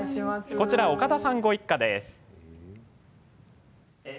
こちら、岡田さんご一家です。